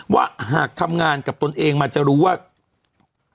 ว่าหากทำงานกับตนเองมันจะรู้ว่า